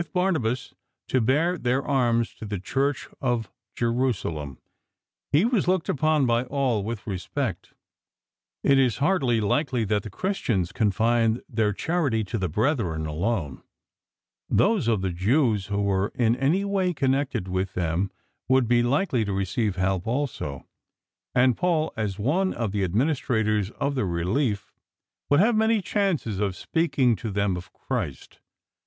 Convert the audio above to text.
PAUL Barnabas to bear their alms to the Church at JeiusaJem he was looked upon by all with espect. It B hardly likely that the Christians confined their charity to the brethren alone' Those of the Jews who were in any way con nected with them would be likely to receive f as one of the adminis ti ators of the relief, would have many chances of speaking to them of Christ.